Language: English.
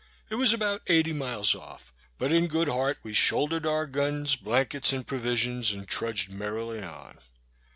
It was about eighty miles off; but in good heart we shouldered our guns, blankets, and provisions, and trudged merrily on.